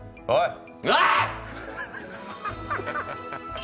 はい。